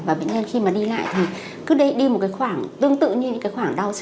và bệnh nhân khi mà đi lại thì cứ đi một cái khoảng tương tự như những cái khoảng đau xó